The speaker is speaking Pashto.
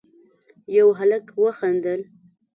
يوه هلک وخندل: